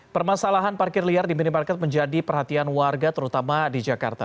permasalahan parkir liar di minimarket menjadi perhatian warga terutama di jakarta